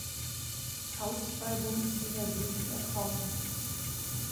Faustball-Bundesliga Süd der Frauen.